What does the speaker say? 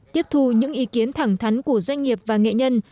tiếp thu những ý kiến thẳng thắn của doanh nghiệp và nghệ nhân